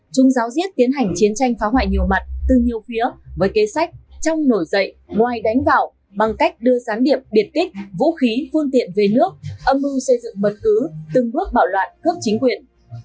trung giáo riết tiến hành chiến tranh phá hoại nhiều mặt từ nhiều phía với kế sách trong nổi dậy ngoài đánh vào bằng cách đưa sáng điểm biệt kích vũ khí phương tiện về nước âm mưu xây dựng bật cứ từng bước bạo loạn cướp chính quyền